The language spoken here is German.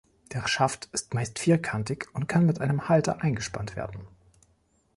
Der Schaft ist meist vierkantig und kann in einen Halter eingespannt werden.